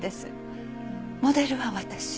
モデルは私。